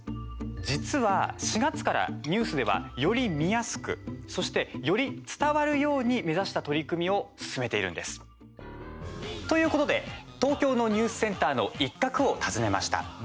実は、４月からニュースではより見やすく、そしてより伝わるように目指した取り組みを進めているんです。ということで東京のニュースセンターの一角をどーも！